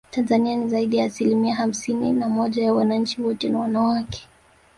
Tanzania ni zaidi ya asilimia hamsini na moja ya wananchi wote ni wanawake